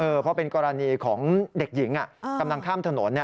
เพราะเป็นกรณีของเด็กหญิงกำลังข้ามถนน